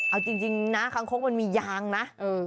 เอาจริงนะคางคกมันมียางนะ